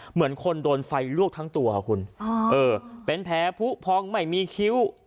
เหมือนคนโดนไฟลวกทั้งตัวคุณเป็นแผลผู้พองไม่มีคิ้ว